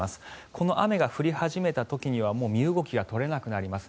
この雨が降り始めた時にはもう身動きが取れなくなります。